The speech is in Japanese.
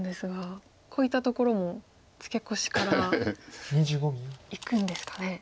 こういったところもツケコシからいくんですかね。